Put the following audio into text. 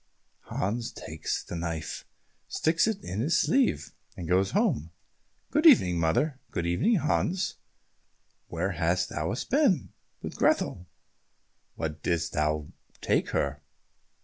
Hans takes the knife, sticks it in his sleeve, and goes home. "Good evening, mother." "Good evening, Hans. Where hast thou been?" "With Grethel." "What didst thou take her?"